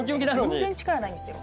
全然力ないんですよ。